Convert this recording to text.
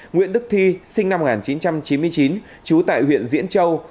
nguyễn đức thi sinh năm một nghìn chín trăm chín mươi chín trú tại huyện diễn châu